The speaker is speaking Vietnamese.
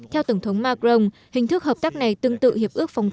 theo tổng thống macron hình thức hợp tác này tương tự hiệp ước